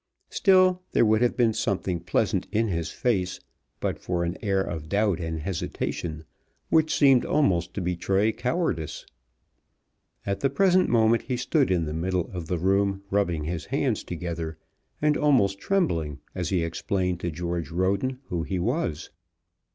Still there would have been something pleasant in his face but for an air of doubt and hesitation which seemed almost to betray cowardice. At the present moment he stood in the middle of the room rubbing his hands together, and almost trembling as he explained to George Roden who he was.